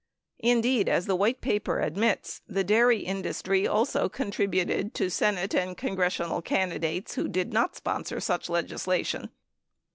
In deed, as the White Paper admits, the dairy industry also contributed to Senate and congressional candidates who did not sponsor such legisla tion.